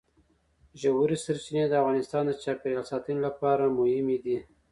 ژورې سرچینې د افغانستان د چاپیریال ساتنې لپاره مهم دي.